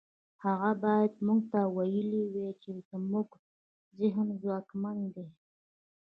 هغه بايد موږ ته ويلي وای چې زموږ ذهن ځواکمن دی.